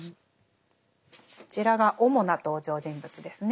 こちらが主な登場人物ですね。